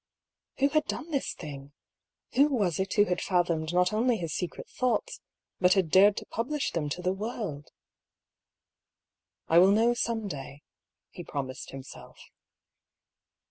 Who had done this thing? Who was it who had fathomed not only his secret thoughts, but had dared to publish them to the world ?" I will know some day," he promised himself.